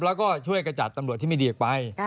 แล้วก็ช่วยกระจัดตำรวจที่ไม่ดีออกไป